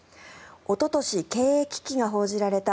おととし経営危機が報じられた